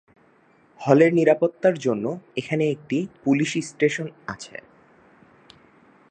হলের নিরাপত্তার জন্য এখানে একটি পুলিশ স্টেশন আছে।